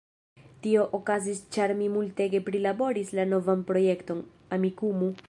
Tio okazis ĉar mi multege prilaboris la novan projekton, "Amikumu"